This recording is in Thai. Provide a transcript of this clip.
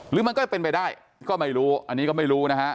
หรือมันก็จะเป็นไปได้ก็ไม่รู้อันนี้ก็ไม่รู้นะฮะ